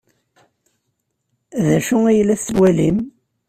D acu ay la tettwalim?